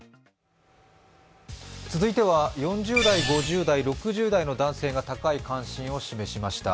続いては４０代、５０代、６０代の男性が高い関心を示しました。